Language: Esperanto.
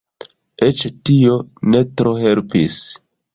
Eĉ tio ne tro helpis.